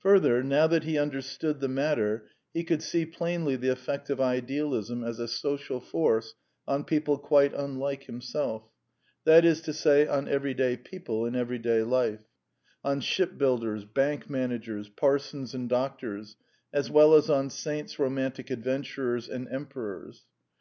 Further, now that he understood the matter, he could see plainly the effect of idealism as a social force on people quite unlike himself: that is to say, on everyday people in everyday life : on shipbuilders, bank managers, parsons, and doctors, as well as on saints, romantic adventurers, and emperors.